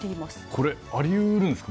これ、ありうるんですか。